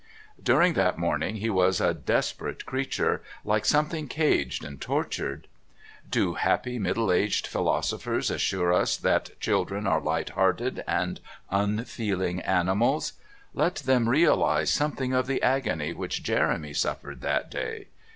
During that morning he was a desperate creature, like something caged and tortured. Do happy middle aged philosophers assure us that children are light hearted and unfeeling animals? Let them realise something of the agony which Jeremy suffered that day.